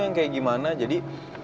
yang kayak gimana jadi